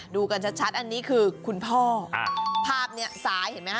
ดูกันชัดอันนี้คือคุณพ่อภาพนี้ซ้ายเห็นไหมฮ